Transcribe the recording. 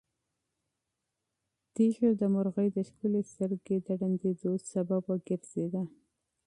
تیږه د مرغۍ د ښکلې سترګې د ړندېدو سبب وګرځېده.